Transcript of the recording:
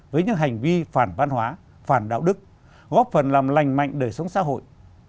với những hành vi phản văn hóa phản đạo đức góp phần làm lành mạnh đời sống xã hội